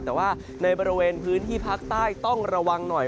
แต่ว่าในบริเวณพื้นที่ภาคใต้ต้องระวังหน่อย